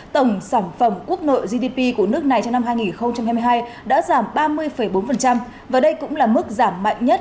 tổng sản phẩm quốc nội gdp của nước này trong năm hai nghìn hai mươi hai đã giảm ba mươi bốn và đây cũng là mức giảm mạnh nhất